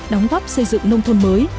đóng góp xây dựng nông thôn mới